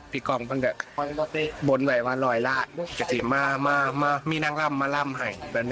พี่กล้องบ้างเกิดบนไว้ว่าร้อยล้านมีนั่งร่ำมาร่ำให้